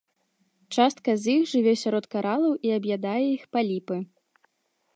Частка з іх жыве сярод каралаў і аб'ядае іх паліпы.